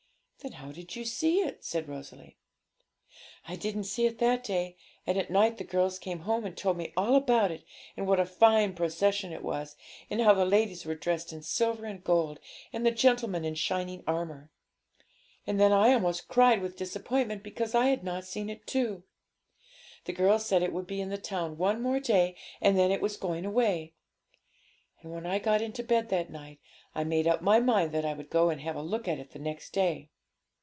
'Then how did you see it?' said Rosalie. 'I didn't see it that day; and at night the girls came home, and told me all about it, and what a fine procession it was, and how the ladies were dressed in silver and gold, and the gentlemen in shining armour. And then I almost cried with disappointment because I had not seen it too. The girls said it would be in the town one more day, and then it was going away. And when I got into bed that night, I made up my mind that I would go and have a look at it the next day.'